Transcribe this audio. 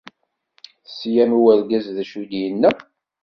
Teslam i urgaz d acu ay d-yenna.